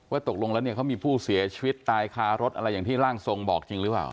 ตกลงแล้วเนี่ยเขามีผู้เสียชีวิตตายคารถอะไรอย่างที่ร่างทรงบอกจริงหรือเปล่า